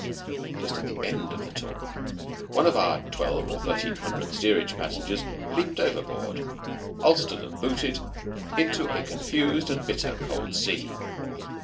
Just at the end of the talk one of our twelve or thirteen hundred steerage passengers leaped overboard, ulstered and booted, into a confused and bitter cold sea.